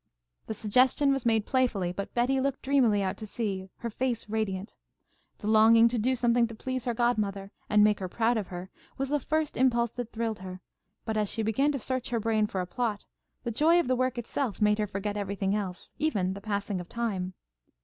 The suggestion was made playfully, but Betty looked dreamily out to sea, her face radiant. The longing to do something to please her godmother and make her proud of her was the first impulse that thrilled her, but as she began to search her brain for a plot, the joy of the work itself made her forget everything else, even the passing of time.